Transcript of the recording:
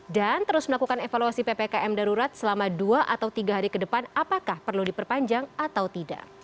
dan terus melakukan evaluasi ppkm darurat selama dua atau tiga hari ke depan apakah perlu diperpanjang atau tidak